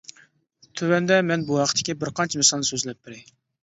تۆۋەندە مەن بۇ ھەقتىكى بىر قانچە مىسالنى سۆزلەپ بېرەي.